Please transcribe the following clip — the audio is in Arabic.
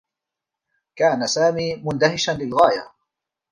كان سامي مندهشا للغاية.